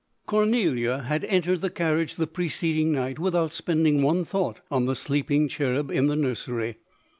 Cornelia had entered the car riage the preceding night, without spending one thought on the sleeping cherub in the nur sery.